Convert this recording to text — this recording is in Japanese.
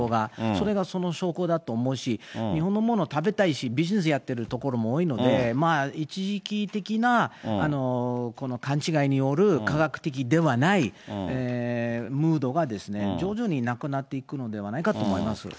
それがその証拠だと思うし、日本のもの食べたいし、ビジネスやってる所も多いので、一時期的なこの勘違いによる科学的ではないムードがですね、徐々になくなっていくのではないかと思います。